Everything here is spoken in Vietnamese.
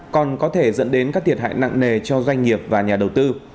còn có thể dẫn đến các thiệt hại nặng nề cho doanh nghiệp và nhà đầu tư